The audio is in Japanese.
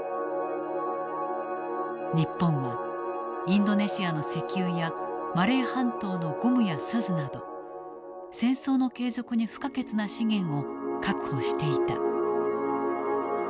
日本はインドネシアの石油やマレー半島のゴムや錫など戦争の継続に不可欠な資源を確保していた。